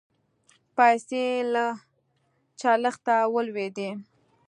پیسې له چلښته ولوېدې